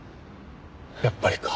やっぱりか。